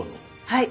はい。